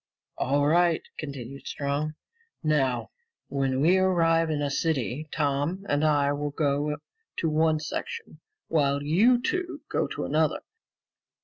"All right," continued Strong. "Now, when we arrive in a city, Tom and I will go to one section, while you two go to another.